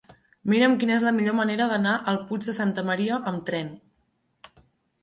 Mira'm quina és la millor manera d'anar al Puig de Santa Maria amb tren.